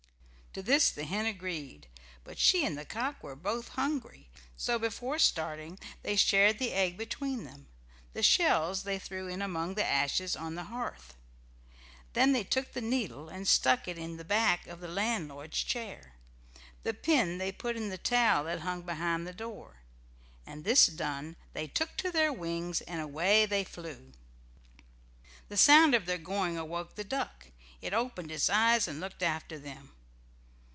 To this the hen agreed, but she and the cock were both hungry, so before starting they shared the egg between them. The shells they threw in among the ashes on the hearth. Then they took the needle and stuck it in the back of the landlord's chair; the pin they put in the towel that hung behind the door, and this done they took to their wings and away they flew. The sound of their going awoke the duck. It opened its eyes and looked after them.